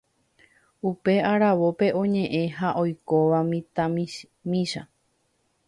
upe aravópe oñe'ẽ ha oikóva mitãmimícha.